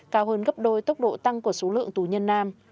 cao hơn gấp đôi tốc độ tăng của số lượng tù nhân nam